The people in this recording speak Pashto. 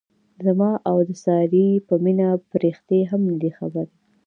زما او د سارې په مینه پریښتې هم نه دي خبرې.